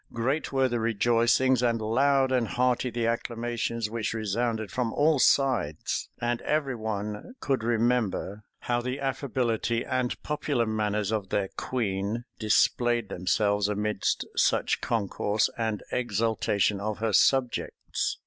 Great were the rejoicings, and loud and hearty the acclamations, which resounded from all sides; and every one could remember how the affability and popular manners of their queen displayed themselves amidst such concourse and exultation of her subjects.